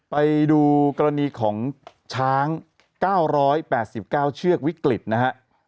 ไปดูกรณีของช้าง๙๘๙เชือกวิกฤตนะฮะ